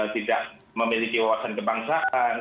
tidak memiliki wawasan kebangsaan